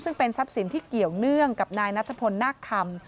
ซึ่งเป็นทรัพย์สินที่เกี่ยวเนื่องกับนายนัทพลนาคคำ